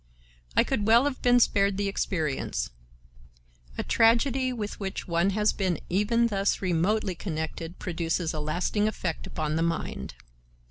"I could well have been spared the experience. A tragedy with which one has been even thus remotely connected produces a lasting effect upon the mind."